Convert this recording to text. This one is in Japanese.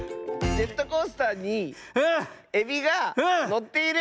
ジェットコースターにエビがのっている？